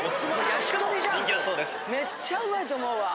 めっちゃうまいと思うわ。